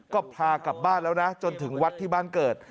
ก็พากลับบ้านแล้วนะจนถึงวัดที่บ้านเกิด